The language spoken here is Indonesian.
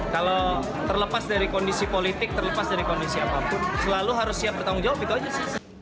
kalau terlepas dari kondisi politik terlepas dari kondisi apapun selalu harus siap bertanggung jawab gitu aja sih